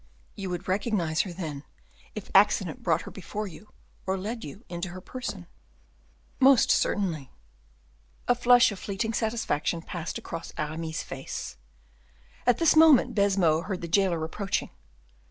"You would recognize her, then, if accident brought her before you, or led you into her person?" "Most certainly." A flush of fleeting satisfaction passed across Aramis's face. At this moment Baisemeaux heard the jailer approaching.